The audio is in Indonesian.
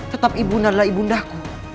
tetap ibunda adalah ibundaku